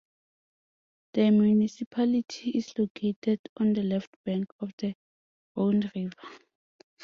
The municipality is located on the left bank of the Rhone river.